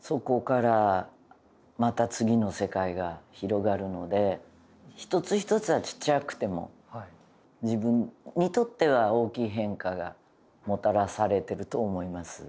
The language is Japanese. そこからまた次の世界が広がるので１つ１つはちっちゃくても自分にとっては大きい変化がもたらされてると思います。